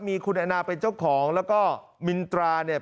มีคุณแอนนาเป็นเจ้าของแล้วก็มินตราเนี่ย